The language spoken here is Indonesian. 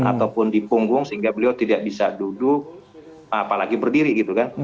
ataupun di punggung sehingga beliau tidak bisa duduk apalagi berdiri gitu kan